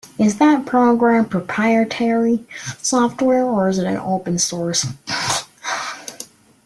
Is that program proprietary software, or is it open source?